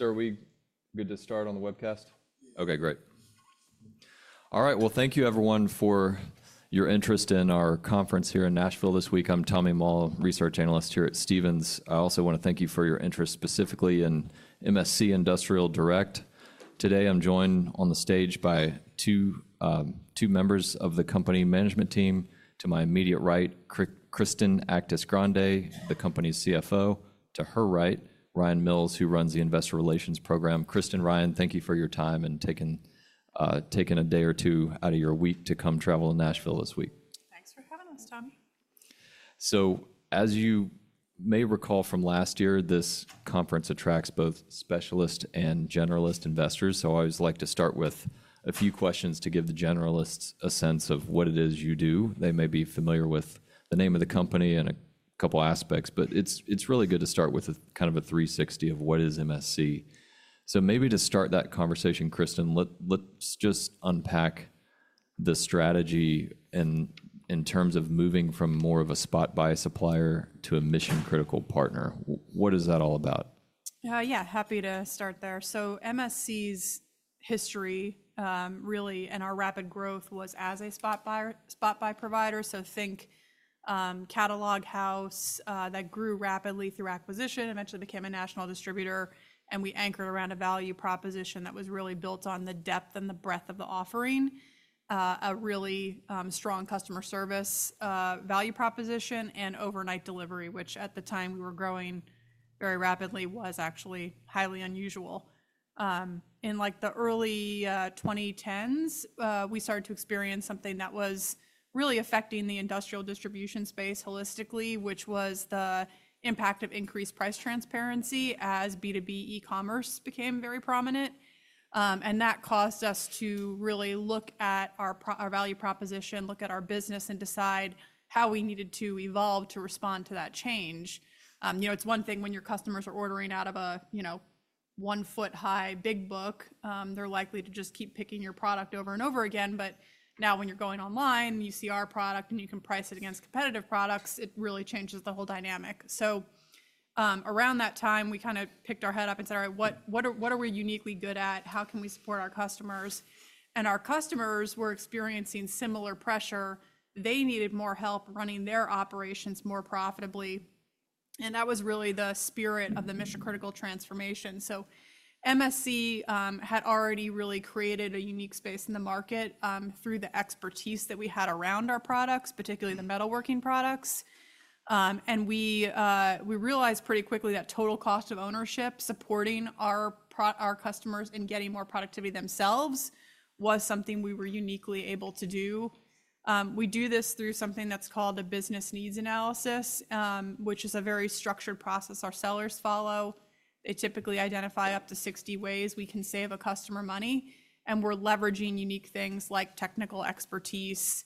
Sir, are we good to start on the webcast? Okay, great. All right, well, thank you, everyone, for your interest in our conference here in Nashville this week. I'm Tommy Moll, research analyst here at Stephens. I also want to thank you for your interest specifically in MSC Industrial Direct. Today, I'm joined on the stage by two members of the company management team. To my immediate right, Kristen Actis-Grande, the company's CFO. To her right, Ryan Mills, who runs the investor relations program. Kristen, Ryan, thank you for your time and taking a day or two out of your week to come travel to Nashville this week. Thanks for having us, Tommy. So, as you may recall from last year, this conference attracts both specialist and generalist investors. So, I always like to start with a few questions to give the generalists a sense of what it is you do. They may be familiar with the name of the company and a couple of aspects, but it's really good to start with kind of a 360 of what is MSC. So, maybe to start that conversation, Kristen, let's just unpack the strategy in terms of moving from more of a spot-buy supplier to a mission-critical partner. What is that all about? Yeah, happy to start there. So, MSC's history, really, and our rapid growth was as a spot-buy provider. So, think catalog house that grew rapidly through acquisition, eventually became a national distributor, and we anchored around a value proposition that was really built on the depth and the breadth of the offering, a really strong customer service value proposition, and overnight delivery, which, at the time we were growing very rapidly, was actually highly unusual. In, like, the early 2010s, we started to experience something that was really affecting the industrial distribution space holistically, which was the impact of increased price transparency as B2B e-commerce became very prominent. And that caused us to really look at our value proposition, look at our business, and decide how we needed to evolve to respond to that change. You know, it's one thing when your customers are ordering out of a one-foot-high Big Book, they're likely to just keep picking your product over and over again. But now, when you're going online, you see our product and you can price it against competitive products, it really changes the whole dynamic. So, around that time, we kind of picked our head up and said, "All right, what are we uniquely good at? How can we support our customers?" And our customers were experiencing similar pressure. They needed more help running their operations more profitably. And that was really the spirit of the mission-critical transformation. So, MSC had already really created a unique space in the market through the expertise that we had around our products, particularly the metalworking products. We realized pretty quickly that total cost of ownership supporting our customers and getting more productivity themselves was something we were uniquely able to do. We do this through something that's called a Business Needs analysis, which is a very structured process our sellers follow. They typically identify up to 60 ways we can save a customer money. We're leveraging unique things like technical expertise.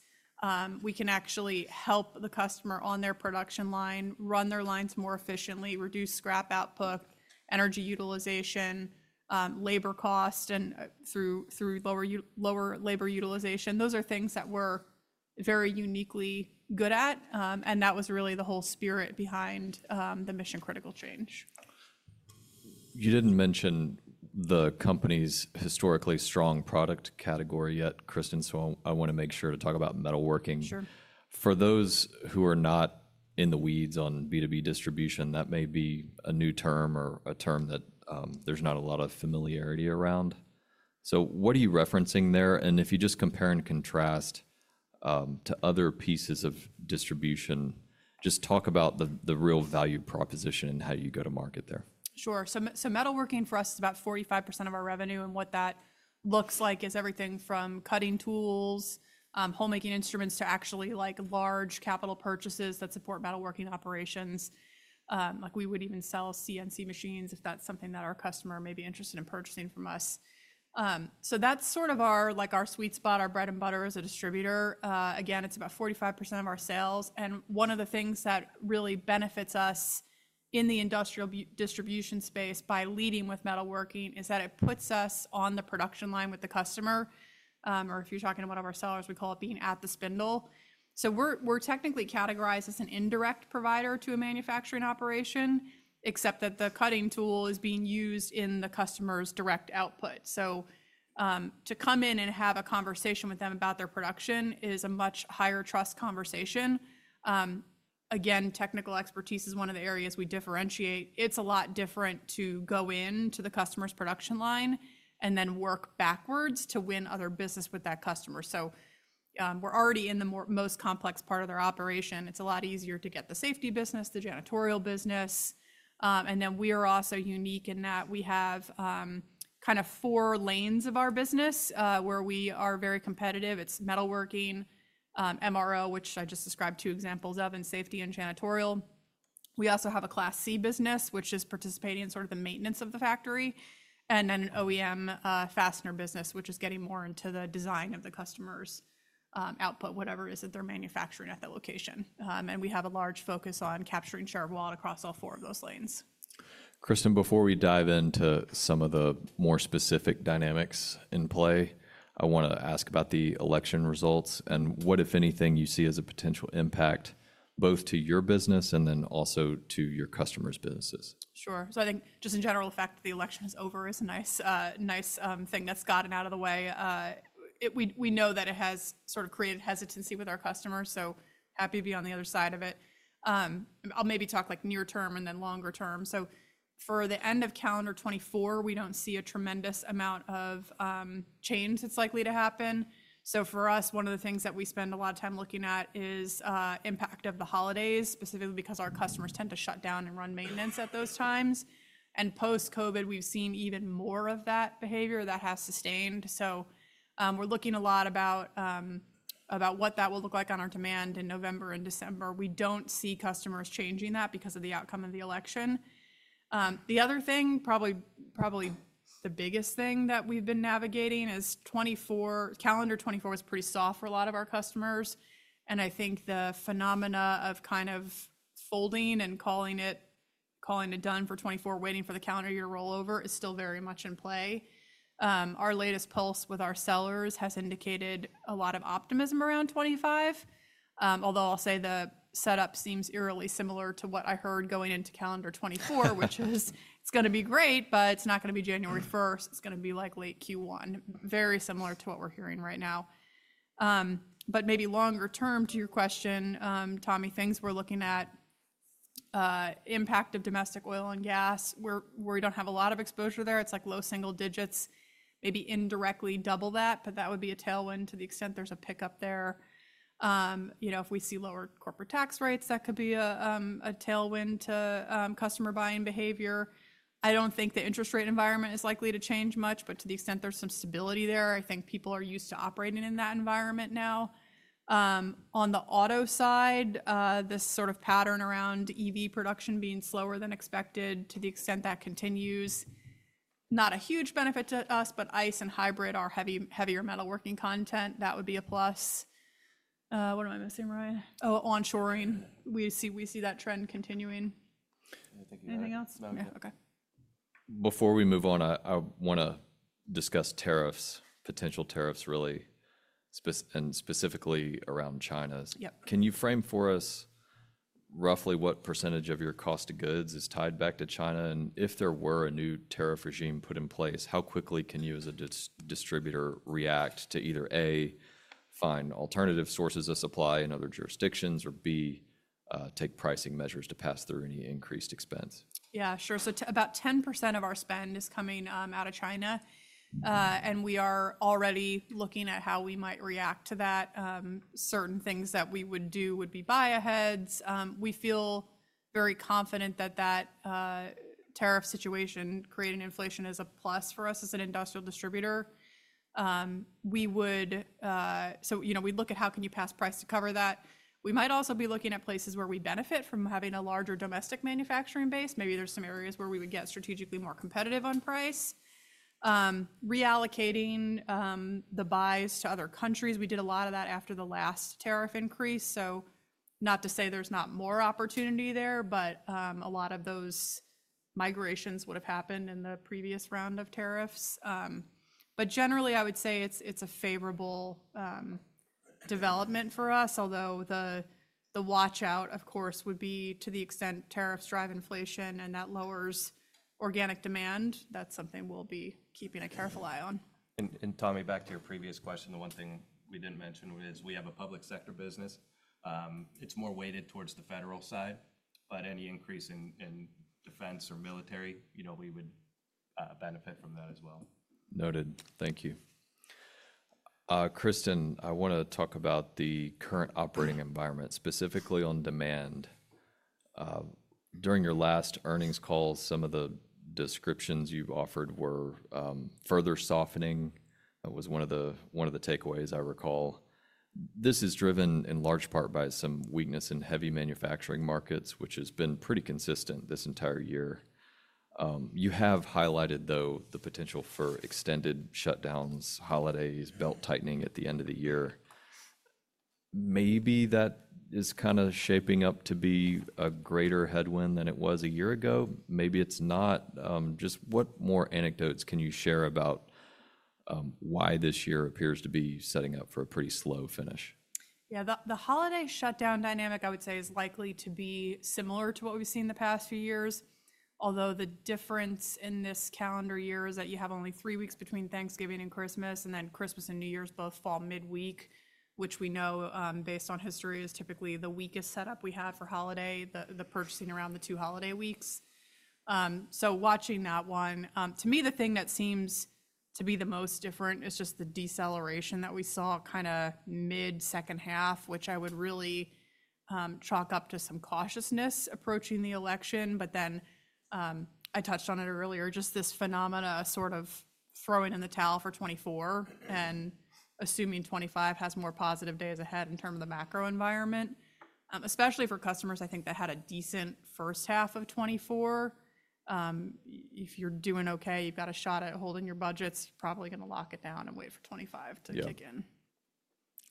We can actually help the customer on their production line, run their lines more efficiently, reduce scrap output, energy utilization, labor cost, and through lower labor utilization. Those are things that we're very uniquely good at. That was really the whole spirit behind the mission-critical change. You didn't mention the company's historically strong product category yet, Kristen, so I want to make sure to talk about metalworking. Sure. For those who are not in the weeds on B2B distribution, that may be a new term or a term that there's not a lot of familiarity around. So, what are you referencing there? And if you just compare and contrast to other pieces of distribution, just talk about the real value proposition and how you go to market there. Sure. So, metalworking for us is about 45% of our revenue. And what that looks like is everything from cutting tools, measuring instruments, to actually, like, large capital purchases that support metalworking operations. Like, we would even sell CNC machines if that's something that our customer may be interested in purchasing from us. So, that's sort of our sweet spot, our bread and butter as a distributor. Again, it's about 45% of our sales. And one of the things that really benefits us in the industrial distribution space by leading with metalworking is that it puts us on the production line with the customer. Or if you're talking to one of our sellers, we call it being at the spindle. So, we're technically categorized as an indirect provider to a manufacturing operation, except that the cutting tool is being used in the customer's direct output. To come in and have a conversation with them about their production is a much higher-trust conversation. Again, technical expertise is one of the areas we differentiate. It's a lot different to go into the customer's production line and then work backwards to win other business with that customer. We're already in the most complex part of their operation. It's a lot easier to get the safety business, the janitorial business. We are also unique in that we have kind of four lanes of our business where we are very competitive. It's metalworking, MRO, which I just described two examples of, and safety and janitorial. We also have a Class C business, which is participating in sort of the maintenance of the factory. And then an OEM fastener business, which is getting more into the design of the customer's output, whatever it is that they're manufacturing at that location. And we have a large focus on capturing share of wallet across all four of those lanes. Kristen, before we dive into some of the more specific dynamics in play, I want to ask about the election results and what, if anything, you see as a potential impact both to your business and then also to your customers' businesses? Sure. So, I think just in general, the fact that the election is over is a nice thing that's gotten out of the way. We know that it has sort of created hesitancy with our customers, so happy to be on the other side of it. I'll maybe talk, like, near-term and then longer-term. So, for the end of calendar 2024, we don't see a tremendous amount of change that's likely to happen. So, for us, one of the things that we spend a lot of time looking at is the impact of the holidays, specifically because our customers tend to shut down and run maintenance at those times. And post-COVID, we've seen even more of that behavior that has sustained. So, we're looking a lot about what that will look like on our demand in November and December. We don't see customers changing that because of the outcome of the election. The other thing, probably the biggest thing that we've been navigating is 2024. Calendar 2024 was pretty soft for a lot of our customers, and I think the phenomena of kind of folding and calling it done for 2024, waiting for the calendar year rollover is still very much in play. Our latest pulse with our sellers has indicated a lot of optimism around 2025, although I'll say the setup seems eerily similar to what I heard going into calendar 2024, which is, it's going to be great, but it's not going to be January 1st. It's going to be like late Q1, very similar to what we're hearing right now, but maybe longer-term, to your question, Tommy, things we're looking at, impact of domestic oil and gas, we don't have a lot of exposure there. It's like low single digits, maybe indirectly double that, but that would be a tailwind to the extent there's a pickup there. You know, if we see lower corporate tax rates, that could be a tailwind to customer buying behavior. I don't think the interest rate environment is likely to change much, but to the extent there's some stability there, I think people are used to operating in that environment now. On the auto side, this sort of pattern around EV production being slower than expected to the extent that continues, not a huge benefit to us, but ICE and hybrid are heavier metalworking content. That would be a plus. What am I missing, Ryan? Oh, onshoring. We see that trend continuing. [crosstakOkay. Before we move on, I want to discuss tariffs, potential tariffs, really, and specifically around China. Yep. Can you frame for us roughly what percentage of your cost of goods is tied back to China? And if there were a new tariff regime put in place, how quickly can you as a distributor react to either, A, find alternative sources of supply in other jurisdictions, or, B, take pricing measures to pass through any increased expense? Yeah, sure. So, about 10% of our spend is coming out of China, and we are already looking at how we might react to that. Certain things that we would do would be buy-aheads. We feel very confident that that tariff situation creating inflation is a plus for us as an industrial distributor, so you know, we'd look at how can you pass price to cover that. We might also be looking at places where we benefit from having a larger domestic manufacturing base. Maybe there's some areas where we would get strategically more competitive on price. Reallocating the buys to other countries, we did a lot of that after the last tariff increase, so not to say there's not more opportunity there, but a lot of those migrations would have happened in the previous round of tariffs. But generally, I would say it's a favorable development for us, although the watch-out, of course, would be to the extent tariffs drive inflation and that lowers organic demand. That's something we'll be keeping a careful eye on. And, Tommy, back to your previous question, the one thing we didn't mention is we have a public sector business. It's more weighted towards the federal side. But any increase in defense or military, you know, we would benefit from that as well. Noted. Thank you. Kristen, I want to talk about the current operating environment, specifically on demand. During your last earnings call, some of the descriptions you've offered were further softening. That was one of the takeaways I recall. This is driven in large part by some weakness in heavy manufacturing markets, which has been pretty consistent this entire year. You have highlighted, though, the potential for extended shutdowns, holidays, belt tightening at the end of the year. Maybe that is kind of shaping up to be a greater headwind than it was a year ago. Maybe it's not. Just what more anecdotes can you share about why this year appears to be setting up for a pretty slow finish? Yeah, the holiday shutdown dynamic, I would say, is likely to be similar to what we've seen the past few years, although the difference in this calendar year is that you have only three weeks between Thanksgiving and Christmas, and then Christmas and New Year's both fall midweek, which we know, based on history, is typically the weakest setup we have for holiday, the purchasing around the two holiday weeks. So, watching that one, to me, the thing that seems to be the most different is just the deceleration that we saw kind of mid-second half, which I would really chalk up to some cautiousness approaching the election. But then I touched on it earlier, just this phenomena sort of throwing in the towel for 2024 and assuming 2025 has more positive days ahead in terms of the macro environment. Especially for customers, I think that had a decent first half of 2024. If you're doing okay, you've got a shot at holding your budgets, probably going to lock it down and wait for 2025 to kick in. Yeah.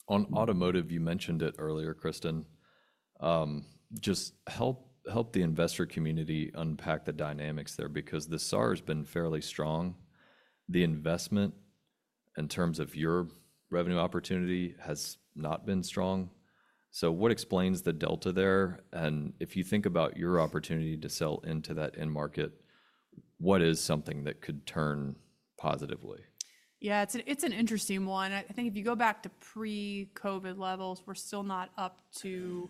On automotive, you mentioned it earlier, Kristen. Just help the investor community unpack the dynamics there because the SAAR has been fairly strong. The investment in terms of your revenue opportunity has not been strong. So, what explains the delta there? And if you think about your opportunity to sell into that end market, what is something that could turn positively? Yeah, it's an interesting one. I think if you go back to pre-COVID levels, we're still not up to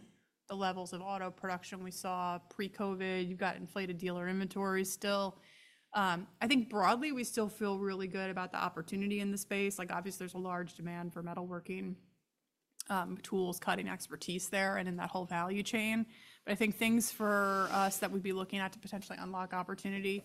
the levels of auto production we saw pre-COVID. You've got inflated dealer inventory still. I think broadly, we still feel really good about the opportunity in the space. Like, obviously, there's a large demand for metalworking tools, cutting expertise there, and in that whole value chain. But I think things for us that we'd be looking at to potentially unlock opportunity,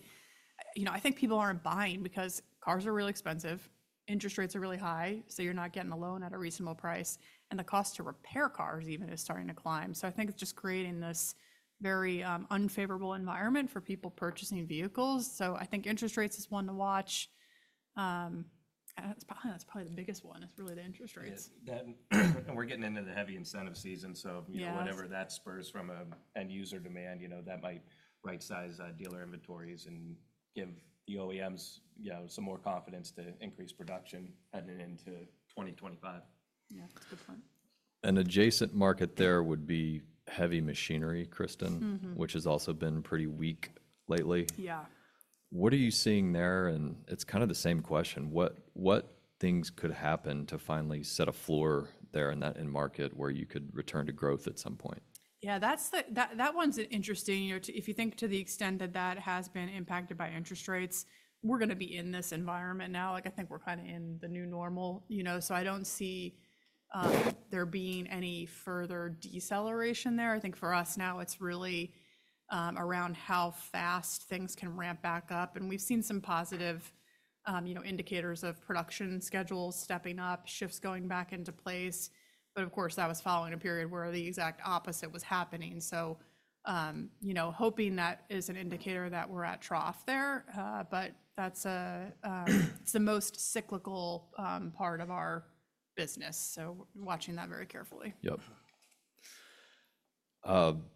you know, I think people aren't buying because cars are really expensive, interest rates are really high, so you're not getting a loan at a reasonable price. And the cost to repair cars even is starting to climb. So, I think it's just creating this very unfavorable environment for people purchasing vehicles. So, I think interest rates is one to watch. That's probably the biggest one. It's really the interest rates. We're getting into the heavy incentive season. Whatever that spurs from an end-user demand, you know, that might right-size dealer inventories and give the OEMs, you know, some more confidence to increase production heading into 2025.Yeah, that's a good point. An adjacent market there would be heavy machinery, Kristen, which has also been pretty weak lately. Yeah. What are you seeing there, and it's kind of the same question. What things could happen to finally set a floor there in that end market where you could return to growth at some point? Yeah, that one's interesting. You know, if you think to the extent that that has been impacted by interest rates, we're going to be in this environment now. Like, I think we're kind of in the new normal, you know. So, I don't see there being any further deceleration there. I think for us now, it's really around how fast things can ramp back up. And we've seen some positive, you know, indicators of production schedules stepping up, shifts going back into place. But of course, that was following a period where the exact opposite was happening. So, you know, hoping that is an indicator that we're at trough there. But that's the most cyclical part of our business. So, watching that very carefully. Yep.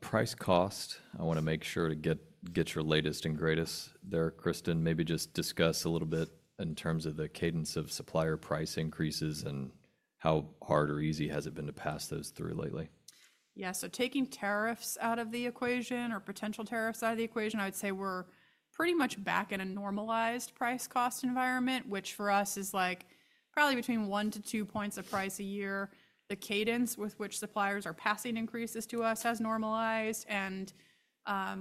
Price-cost, I want to make sure to get your latest and greatest there, Kristen. Maybe just discuss a little bit in terms of the cadence of supplier price increases and how hard or easy has it been to pass those through lately? Yeah, so taking tariffs out of the equation or potential tariffs out of the equation, I would say we're pretty much back in a normalized price-cost environment, which for us is like probably between one to two points of price a year. The cadence with which suppliers are passing increases to us has normalized. And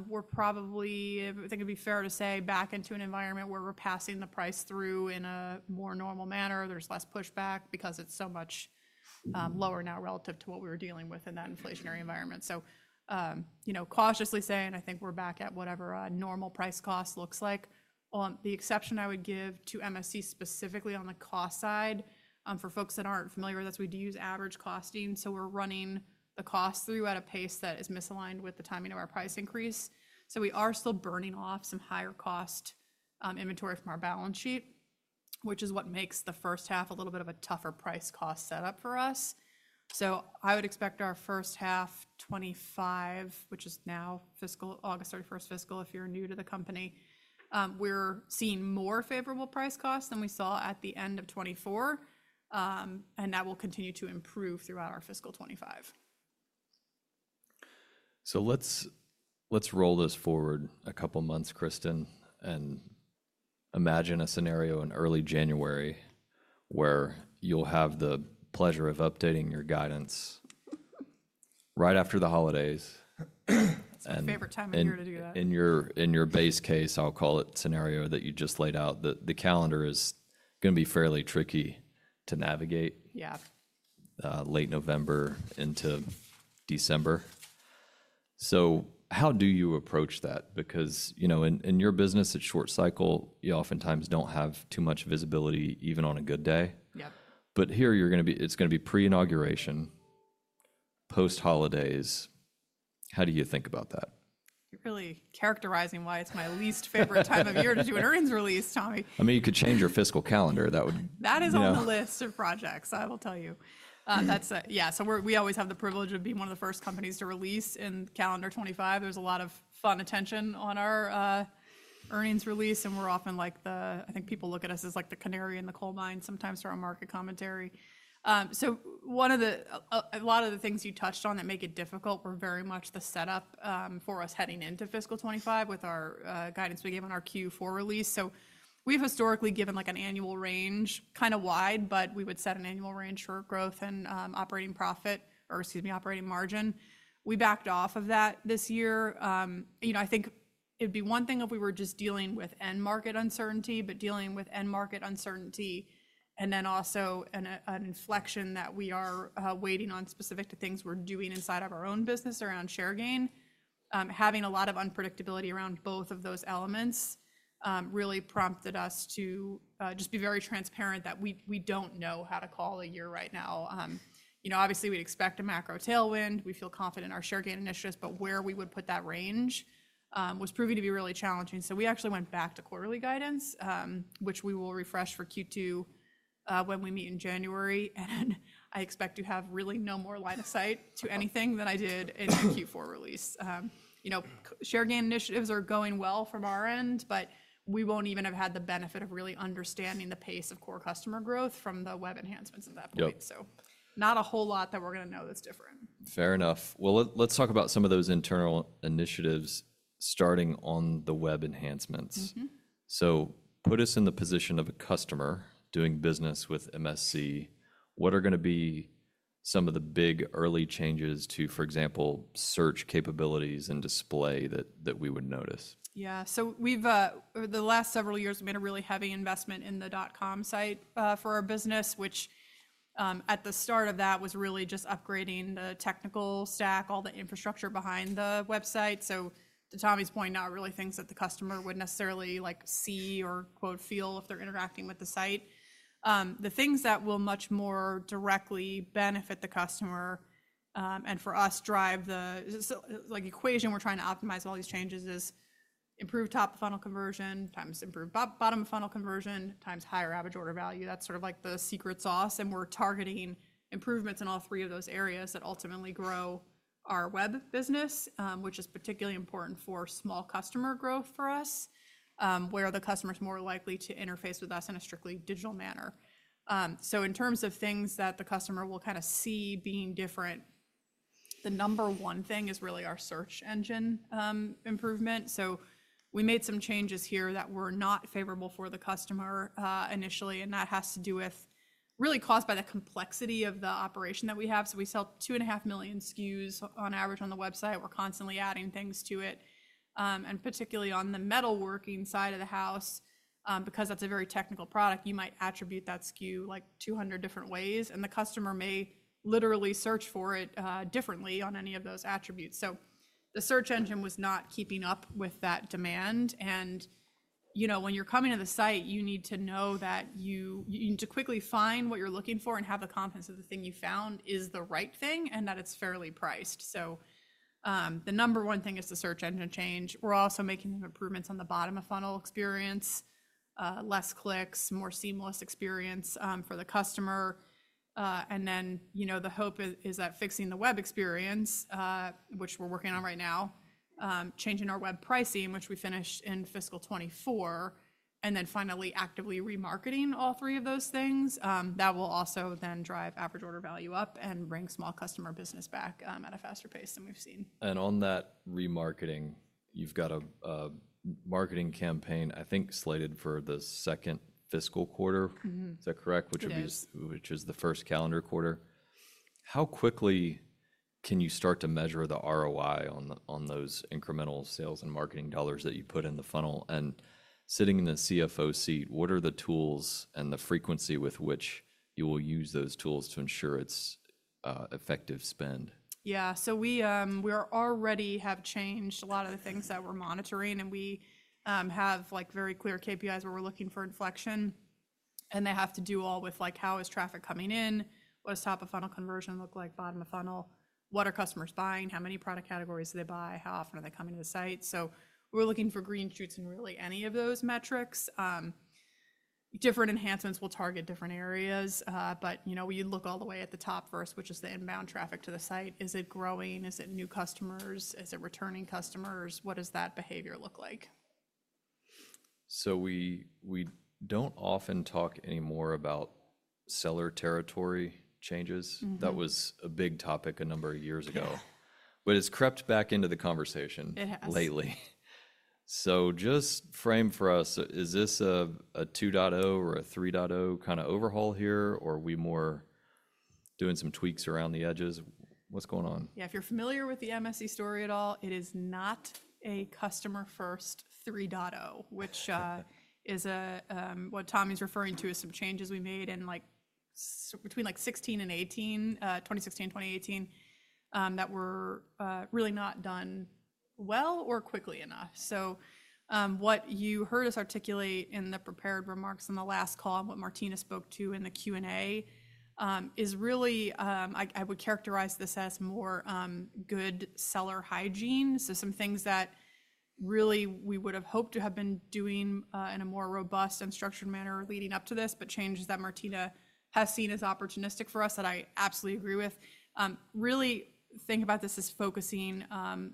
we're probably, I think it'd be fair to say, back into an environment where we're passing the price through in a more normal manner. There's less pushback because it's so much lower now relative to what we were dealing with in that inflationary environment. So, you know, cautiously saying, I think we're back at whatever a normal price-cost looks like. The exception I would give to MSC specifically on the cost side, for folks that aren't familiar with this, we do use average costing. So, we're running the cost through at a pace that is misaligned with the timing of our price increase. So, we are still burning off some higher-cost inventory from our balance sheet, which is what makes the first half a little bit of a tougher price-cost setup for us. So, I would expect our first half 2025, which is our fiscal year ending August 31st, if you're new to the company. We're seeing more favorable price-cost than we saw at the end of 2024, and that will continue to improve throughout our fiscal 2025. So, let's roll this forward a couple of months, Kristen, and imagine a scenario in early January where you'll have the pleasure of updating your guidance right after the holidays. It's a favorite time of year to do that. In your base case, I'll call it scenario that you just laid out, that the calendar is going to be fairly tricky to navigate. Yeah. Late November into December. So, how do you approach that? Because, you know, in your business, it's short cycle. You oftentimes don't have too much visibility, even on a good day. Yep. But here, you're going to be, it's going to be pre-inauguration, post-holidays. How do you think about that? You're really characterizing why it's my least favorite time of year to do an earnings release, Tommy. I mean, you could change your fiscal calendar. That would. That is on the list of projects, I will tell you. That's, yeah, so we always have the privilege of being one of the first companies to release in calendar 2025. There's a lot of fun attention on our earnings release, and we're often like the, I think people look at us as like the canary in the coal mine sometimes for our market commentary, so one of the, a lot of the things you touched on that make it difficult were very much the setup for us heading into fiscal 2025 with our guidance we gave on our Q4 release. So, we've historically given like an annual range, kind of wide, but we would set an annual range for growth and operating profit, or excuse me, operating margin. We backed off of that this year. You know, I think it'd be one thing if we were just dealing with end market uncertainty, but dealing with end market uncertainty, and then also an inflection that we are waiting on specific to things we're doing inside of our own business around share gain. Having a lot of unpredictability around both of those elements really prompted us to just be very transparent that we don't know how to call a year right now. You know, obviously, we'd expect a macro tailwind. We feel confident in our share gain initiatives, but where we would put that range was proving to be really challenging. So, we actually went back to quarterly guidance, which we will refresh for Q2 when we meet in January, and I expect to have really no more line of sight to anything than I did in the Q4 release. You know, share gain initiatives are going well from our end, but we won't even have had the benefit of really understanding the pace of core customer growth from the web enhancements at that point. So, not a whole lot that we're going to know that's different. Fair enough. Let's talk about some of those internal initiatives starting on the web enhancements. Put us in the position of a customer doing business with MSC. What are going to be some of the big early changes to, for example, search capabilities and display that we would notice? Yeah, so we've, over the last several years, we've made a really heavy investment in the dot-com site for our business, which at the start of that was really just upgrading the technical stack, all the infrastructure behind the website. So, to Tommy's point, not really things that the customer would necessarily like see or, quote, feel if they're interacting with the site. The things that will much more directly benefit the customer and for us drive the, like equation we're trying to optimize all these changes is improved top-of-funnel conversion times, improved bottom-of-funnel conversion times, higher average order value. That's sort of like the secret sauce. And we're targeting improvements in all three of those areas that ultimately grow our web business, which is particularly important for small customer growth for us, where the customer's more likely to interface with us in a strictly digital manner. So, in terms of things that the customer will kind of see being different, the number one thing is really our search engine improvement. So, we made some changes here that were not favorable for the customer initially, and that has to do with, really, caused by the complexity of the operation that we have. So, we sell 2.5 million SKUs on average on the website. We're constantly adding things to it. And particularly on the metalworking side of the house, because that's a very technical product, you might attribute that SKU like 200 different ways, and the customer may literally search for it differently on any of those attributes. So, the search engine was not keeping up with that demand. You know, when you're coming to the site, you need to know that you need to quickly find what you're looking for and have the confidence that the thing you found is the right thing and that it's fairly priced. The number one thing is the search engine change. We're also making improvements on the bottom-of-funnel experience, less clicks, more seamless experience for the customer. You know, the hope is that fixing the web experience, which we're working on right now, changing our web pricing, which we finished in fiscal 2024, and then finally actively remarketing all three of those things, that will also then drive average order value up and bring small customer business back at a faster pace than we've seen. On that remarketing, you've got a marketing campaign, I think, slated for the second fiscal quarter. Is that correct? Yes. Which is the first calendar quarter. How quickly can you start to measure the ROI on those incremental sales and marketing dollars that you put in the funnel? And sitting in the CFO seat, what are the tools and the frequency with which you will use those tools to ensure it's effective spend? Yeah, so we already have changed a lot of the things that we're monitoring, and we have like very clear KPIs where we're looking for inflection, and they have to do all with like how is traffic coming in, what does top-of-funnel conversion look like, bottom-of-funnel, what are customers buying, how many product categories do they buy, how often are they coming to the site, so we're looking for green shoots in really any of those metrics. Different enhancements will target different areas, but you know, we look all the way at the top first, which is the inbound traffic to the site. Is it growing? Is it new customers? Is it returning customers? What does that behavior look like? So, we don't often talk anymore about seller territory changes. That was a big topic a number of years ago, but it's crept back into the conversation lately. It has. So, just frame for us, is this a 2.0 or a 3.0 kind of overhaul here, or are we more doing some tweaks around the edges? What's going on? Yeah, if you're familiar with the MSC story at all, it is not a Customer-First 3.0, which is what Tommy's referring to as some changes we made in like between 2016 and 2018 that were really not done well or quickly enough. So, what you heard us articulate in the prepared remarks in the last call and what Martina spoke to in the Q&A is really, I would characterize this as more good seller hygiene. So, some things that really we would have hoped to have been doing in a more robust and structured manner leading up to this, but changes that Martina has seen as opportunistic for us that I absolutely agree with. Really think about this as focusing on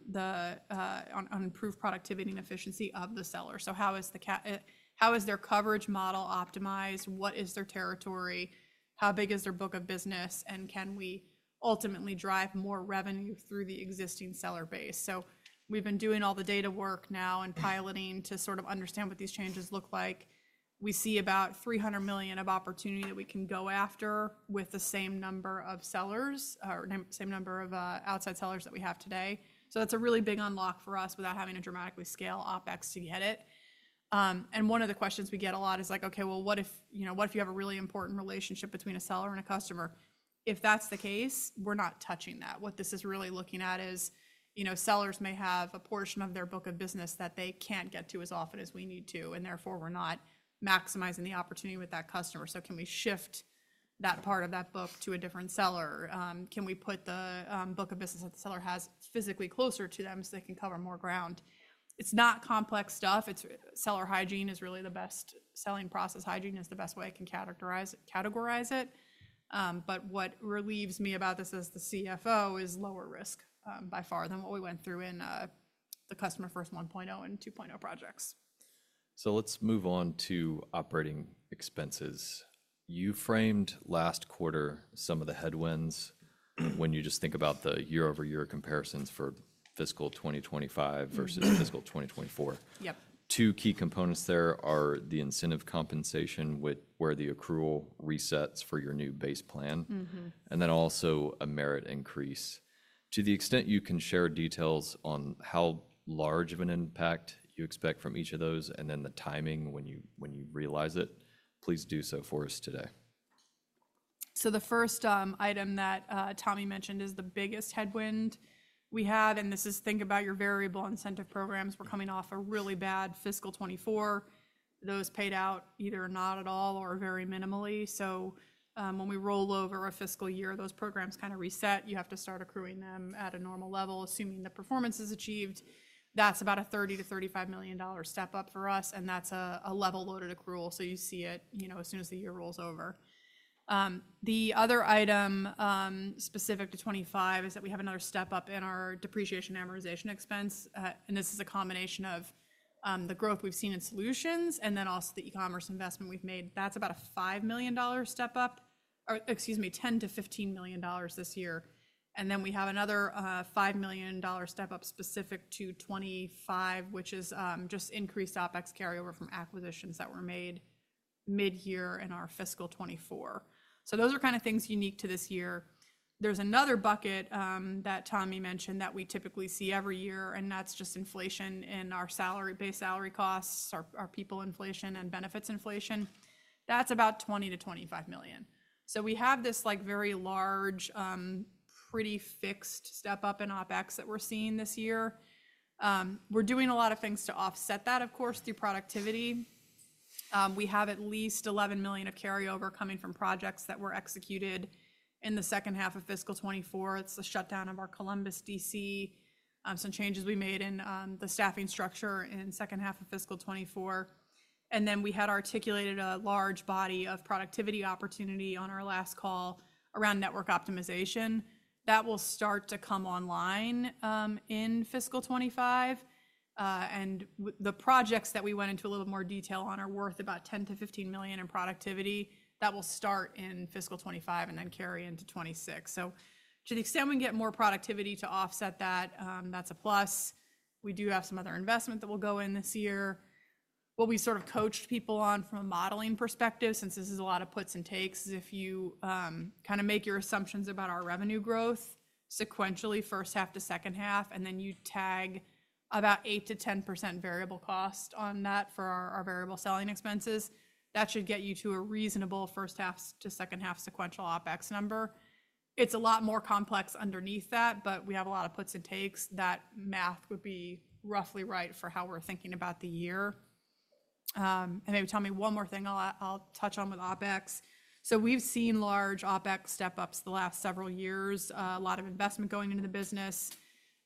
improved productivity and efficiency of the seller. So, how is their coverage model optimized? What is their territory? How big is their book of business? Can we ultimately drive more revenue through the existing seller base? So, we've been doing all the data work now and piloting to sort of understand what these changes look like. We see about $300 million of opportunity that we can go after with the same number of sellers or same number of outside sellers that we have today. So, that's a really big unlock for us without having to dramatically scale OpEx to get it. One of the questions we get a lot is like, okay, well, what if, you know, what if you have a really important relationship between a seller and a customer? If that's the case, we're not touching that. What this is really looking at is, you know, sellers may have a portion of their book of business that they can't get to as often as we need to, and therefore we're not maximizing the opportunity with that customer. So, can we shift that part of that book to a different seller? Can we put the book of business that the seller has physically closer to them so they can cover more ground? It's not complex stuff. It's seller hygiene is really the best selling process. Hygiene is the best way I can categorize it. But what relieves me about this as the CFO is lower risk by far than what we went through in the Customer-First 1.0 and 2.0 projects. So, let's move on to operating expenses. You framed last quarter some of the headwinds when you just think about the year-over-year comparisons for fiscal 2025 versus fiscal 2024. Yep. Two key components there are the incentive compensation, where the accrual resets for your new base plan, and then also a merit increase. To the extent you can share details on how large of an impact you expect from each of those, and then the timing when you realize it, please do so for us today. So, the first item that Tommy mentioned is the biggest headwind we have, and this is, think about your variable incentive programs. We're coming off a really bad fiscal 2024. Those paid out either not at all or very minimally. So, when we roll over a fiscal year, those programs kind of reset. You have to start accruing them at a normal level, assuming the performance is achieved. That's about a $30-$35 million step up for us, and that's a level loaded accrual. So, you see it, you know, as soon as the year rolls over. The other item specific to 2025 is that we have another step up in our depreciation amortization expense. And this is a combination of the growth we've seen in Solutions and then also the e-commerce investment we've made. That's about a $5 million step up, or excuse me, $10-$15 million this year, and then we have another $5 million step up specific to 2025, which is just increased OpEx carryover from acquisitions that were made mid-year in our fiscal 2024, so those are kind of things unique to this year. There's another bucket that Tommy mentioned that we typically see every year, and that's just inflation in our salary-based salary costs, our people inflation, and benefits inflation, that's about $20-$25 million, so we have this like very large, pretty fixed step up in OpEx that we're seeing this year. We're doing a lot of things to offset that, of course, through productivity. We have at least $11 million of carryover coming from projects that were executed in the second half of fiscal 2024. It's the shutdown of our Columbus DC, some changes we made in the staffing structure in the second half of fiscal 2024, and then we had articulated a large body of productivity opportunity on our last call around network optimization. That will start to come online in fiscal 2025. And the projects that we went into a little bit more detail on are worth about $10-$15 million in productivity. That will start in fiscal 2025 and then carry into 2026. To the extent we can get more productivity to offset that, that's a plus. We do have some other investment that will go in this year. What we sort of coached people on from a modeling perspective, since this is a lot of puts and takes, is if you kind of make your assumptions about our revenue growth sequentially first half to second half, and then you tag about 8%-10% variable cost on that for our variable selling expenses, that should get you to a reasonable first half to second half sequential OpEx number. It's a lot more complex underneath that, but we have a lot of puts and takes. That math would be roughly right for how we're thinking about the year, and maybe tell me one more thing I'll touch on with OpEx, so we've seen large OpEx step ups the last several years, a lot of investment going into the business.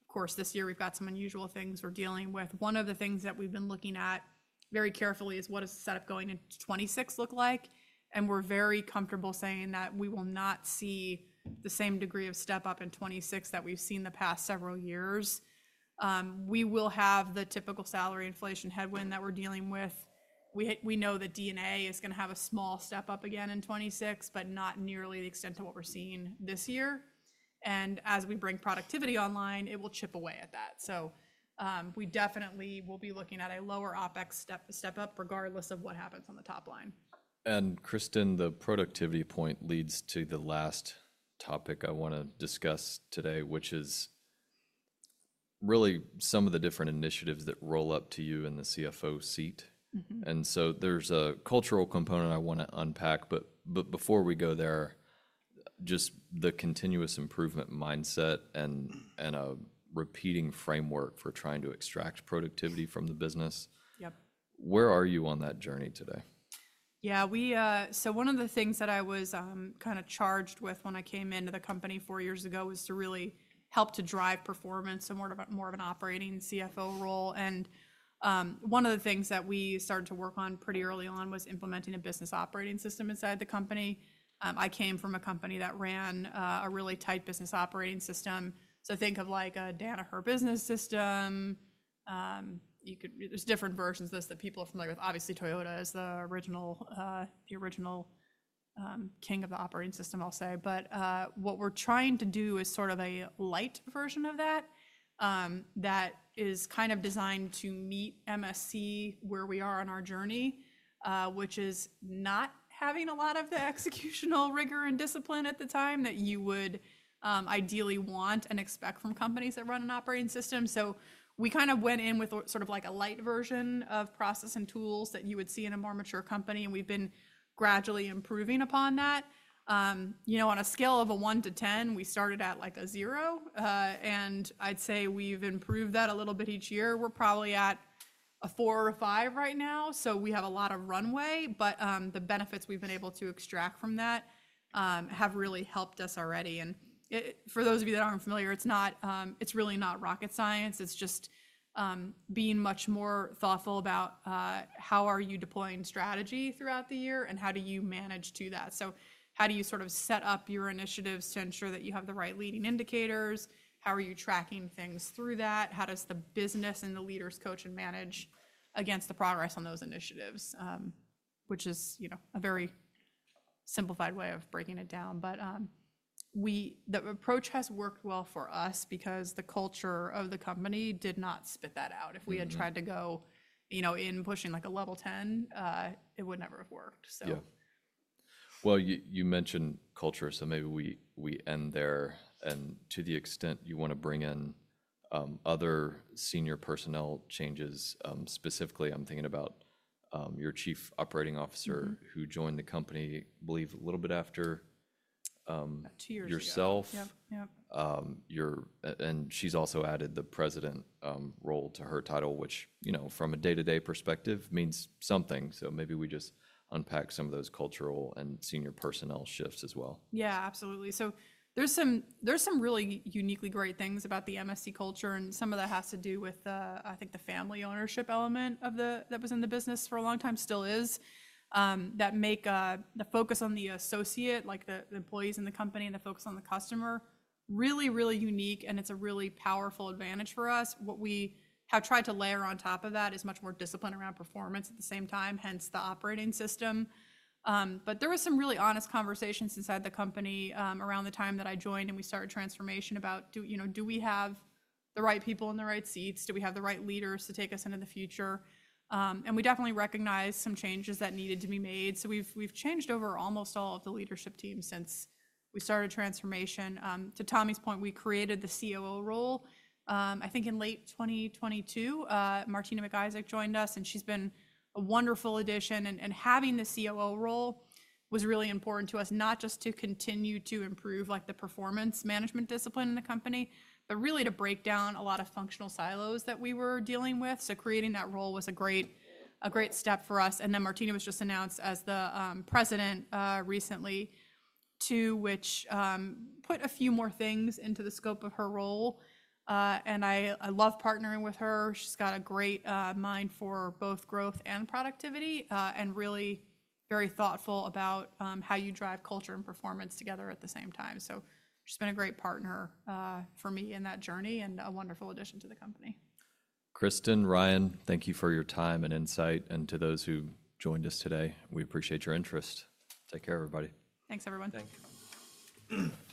Of course, this year we've got some unusual things we're dealing with. One of the things that we've been looking at very carefully is what does the setup going into 2026 look like. And we're very comfortable saying that we will not see the same degree of step up in 2026 that we've seen the past several years. We will have the typical salary inflation headwind that we're dealing with. We know the D&A is going to have a small step up again in 2026, but not nearly the extent to what we're seeing this year. And as we bring productivity online, it will chip away at that. So, we definitely will be looking at a lower OpEx step up regardless of what happens on the top line. And Kristen, the productivity point leads to the last topic I want to discuss today, which is really some of the different initiatives that roll up to you in the CFO seat. And so, there's a cultural component I want to unpack, but before we go there, just the continuous improvement mindset and a repeating framework for trying to extract productivity from the business. Yep. Where are you on that journey today? Yeah, so one of the things that I was kind of charged with when I came into the company four years ago was to really help to drive performance and more of an operating CFO role. And one of the things that we started to work on pretty early on was implementing a business operating system inside the company. I came from a company that ran a really tight business operating system. So, think of like a Danaher Business System. There's different versions of this that people are familiar with. Obviously, Toyota is the original king of the operating system, I'll say. But what we're trying to do is sort of a light version of that that is kind of designed to meet MSC where we are on our journey, which is not having a lot of the executional rigor and discipline at the time that you would ideally want and expect from companies that run an operating system. So, we kind of went in with sort of like a light version of process and tools that you would see in a more mature company. And we've been gradually improving upon that. You know, on a scale of one to 10, we started at like a zero. And I'd say we've improved that a little bit each year. We're probably at a four or a five right now. So, we have a lot of runway, but the benefits we've been able to extract from that have really helped us already. For those of you that aren't familiar, it's really not rocket science. It's just being much more thoughtful about how are you deploying strategy throughout the year and how do you manage to that. So, how do you sort of set up your initiatives to ensure that you have the right leading indicators? How are you tracking things through that? How does the business and the leaders coach and manage against the progress on those initiatives, which is, you know, a very simplified way of breaking it down. But the approach has worked well for us because the culture of the company did not spit that out. If we had tried to go, you know, in pushing like a level 10, it would never have worked. So. Yeah. Well, you mentioned culture, so maybe we end there, and to the extent you want to bring in other senior personnel changes, specifically, I'm thinking about your Chief Operating Officer who joined the company, I believe, a little bit after. Two years ago. Yourself. Yep, yep. She's also added the president role to her title, which, you know, from a day-to-day perspective means something. Maybe we just unpack some of those cultural and senior personnel shifts as well. Yeah, absolutely. So, there's some really uniquely great things about the MSC culture, and some of that has to do with, I think, the family ownership element that was in the business for a long time, still is, that make the focus on the associate, like the employees in the company and the focus on the customer really, really unique, and it's a really powerful advantage for us. What we have tried to layer on top of that is much more discipline around performance at the same time, hence the operating system. But there were some really honest conversations inside the company around the time that I joined and we started transformation about, you know, do we have the right people in the right seats? Do we have the right leaders to take us into the future? And we definitely recognized some changes that needed to be made. So, we've changed over almost all of the leadership team since we started transformation. To Tommy's point, we created the COO role. I think in late 2022, Martina McIsaac joined us, and she's been a wonderful addition. And having the COO role was really important to us, not just to continue to improve like the performance management discipline in the company, but really to break down a lot of functional silos that we were dealing with. So, creating that role was a great step for us. And then Martina was just announced as the President recently, too, which put a few more things into the scope of her role. And I love partnering with her. She's got a great mind for both growth and productivity and really very thoughtful about how you drive culture and performance together at the same time. So, she's been a great partner for me in that journey and a wonderful addition to the company. Kristen, Ryan, thank you for your time and insight, and to those who joined us today, we appreciate your interest. Take care, everybody. Thanks, everyone. Thanks.